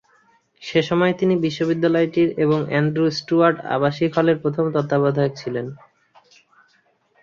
সে সময়ে তিনি বিশ্ববিদ্যালয়টির এবং অ্যান্ড্রু স্টুয়ার্ট আবাসিক হলের প্রথম তত্ত্বাবধায়ক ছিলেন।